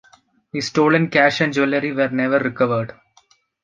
The stolen cash and jewelry were never recovered.